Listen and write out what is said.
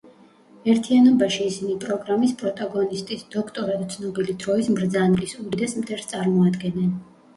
ერთიანობაში ისინი პროგრამის პროტაგონისტის, დოქტორად ცნობილი დროის მბრძანებლის, უდიდეს მტერს წარმოადგენენ.